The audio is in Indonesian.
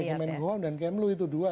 pada kemen goam dan kemlu itu dua